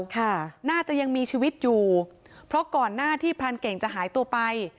ค่ะน่าจะยังมีชีวิตอยู่เพราะก่อนหน้าที่พรานเก่งจะหายตัวไป